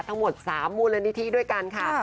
ทั้งหมด๓มูลนิธิด้วยกันค่ะ